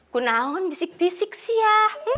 kunaon bisik bisik sih ya